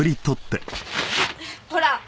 ほら！